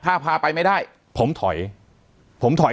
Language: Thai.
ถ้าพาไปไม่ได้ผมถอย